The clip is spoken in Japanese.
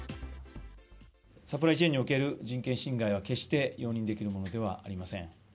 サプライチェーンにおける人権侵害は決して容認できるものではありません。